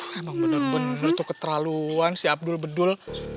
aduh emang bener bener tuh keterlaluan si abdul bedul